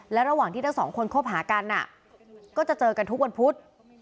และระหว่างที่ทั้งสองคนคบหากันก็จะเจอกันทุกวันพุธ